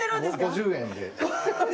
５０円で？